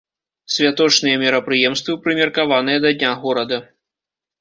Святочныя мерапрыемствы прымеркаваныя да дня горада.